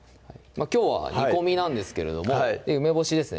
きょうは煮込みなんですけれども梅干しですね